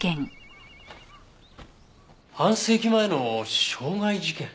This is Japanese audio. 半世紀前の傷害事件？